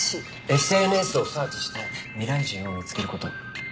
ＳＮＳをサーチして未来人を見つけること。